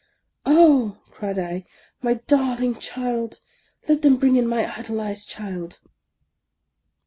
" Oh," cried I, " my darling child ! Let them bring in my idolized child!"